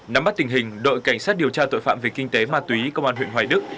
nắm bắt tình hình đội cảnh sát điều tra tội phạm về kinh tế ma túy công an huyện hoài đức